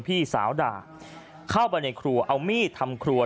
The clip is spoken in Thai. พี่สาวด่าเข้าไปในครัวเอามีดทำครัว